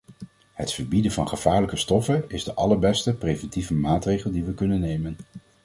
Het verbieden van gevaarlijke stoffen is de allerbeste preventieve maatregel die we kunnen nemen.